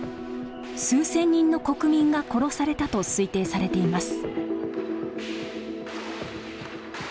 数千人の国民が殺されたと推定されています。